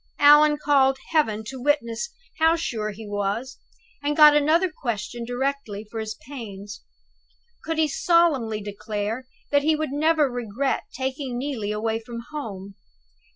Allan called Heaven to witness how sure he was; and got another question directly for his pains. Could he solemnly declare that he would never regret taking Neelie away from home?